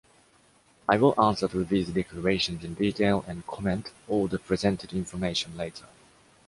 I will answer to these declarations in detail and comment all the presented information later.